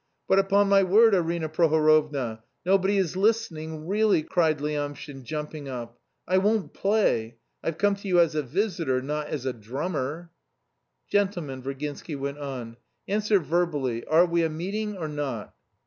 "But, upon my word, Arina Prohorovna, nobody is listening, really!" cried Lyamshin, jumping up. "I won't play! I've come to you as a visitor, not as a drummer!" "Gentlemen," Virginsky went on, "answer verbally, are we a meeting or not?"